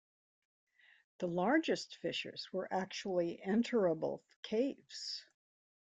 The largest fissures were actually enterable caves.